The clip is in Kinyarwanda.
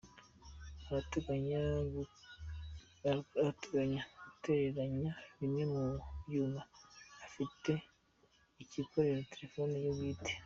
Arateganya guterateranya bimwe mu byuma afite akikorera telefoni ye bwite.